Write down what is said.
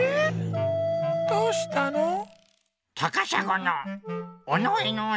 どうしたの？